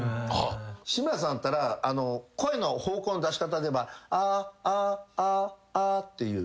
志村さんだったら声の方向の出し方でいえば「あーあーあーあー」っていう。